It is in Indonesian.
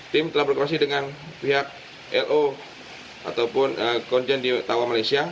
tim telah berkoordinasi dengan pihak lo ataupun konjen di tawa malaysia